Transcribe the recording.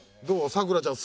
咲楽ちゃん